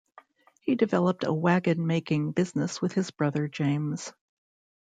He developed a wagon-making business with his brother James.